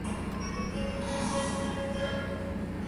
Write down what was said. Era hijo de un dorador y estudió arte, demostrando talento como pintor.